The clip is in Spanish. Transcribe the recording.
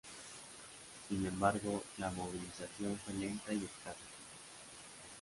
Sin embargo, la movilización fue lenta y escasa.